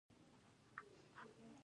تحقیق په کرنه کې مهم دی.